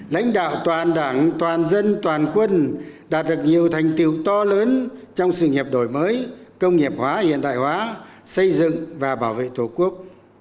lãnh đạo toàn đảng toàn dân toàn quân đạt được nhiều thành tiêu to lớn trong sự nghiệp đổi mới công nghiệp hóa hiện đại hóa xây dựng và bảo vệ tổ quốc